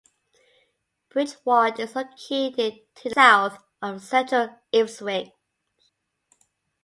Bridge Ward is located to the south of central Ipswich.